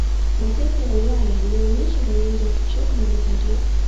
Mataifa ya Ulaya yalionesha dalili za kuchoka na vita hii